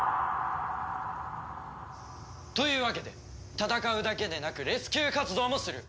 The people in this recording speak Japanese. というわけで戦うだけでなくレスキュー活動もする。